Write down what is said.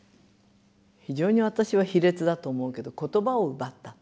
非常に私は卑劣だと思うけど言葉を奪った。